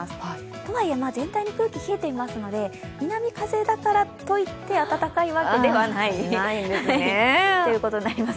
とはいえ、全体に空気は冷えていますから、南風だからといって暖かいわけではないということになります。